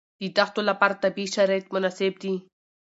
د دښتو لپاره طبیعي شرایط مناسب دي.